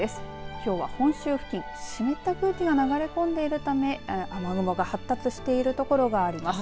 きょうは本州付近湿った空気が流れ込んでいるため雨雲が発達している所があります。